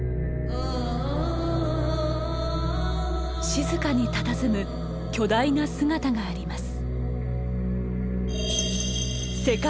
静かにたたずむ巨大な姿があります。